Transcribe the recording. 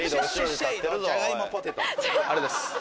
ありがとうございます。